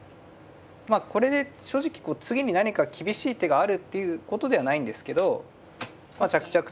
まあこれで正直次に何か厳しい手があるっていうことではないんですけどまあ着々とまあ